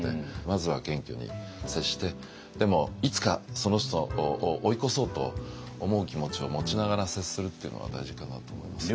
まずは謙虚に接してでもいつかその人を追い越そうと思う気持ちを持ちながら接するっていうのは大事かなと思います。